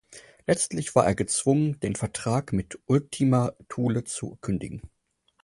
Letztlich war er gezwungen, den Vertrag mit Ultima Thule zu kündigen.